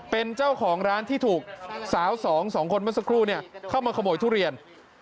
เป็นเจ้าของร้านที่ถูกสาวสองสองคนเมื่อสักครู่เข้ามาขโมยทุเรียน